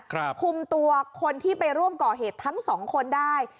คุมตัวคนที่ไปร่วมก่อเหตุทั้งสองคนได้